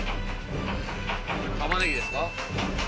タマネギですか？